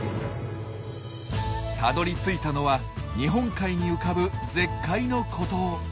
たどりついたのは日本海に浮かぶ絶海の孤島。